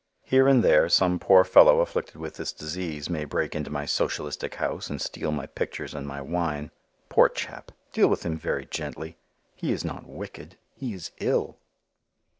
Here and there, some poor fellow afflicted with this disease may break into my socialistic house and steal my pictures and my wine. Poor chap! Deal with him very gently. He is not wicked. He is ill.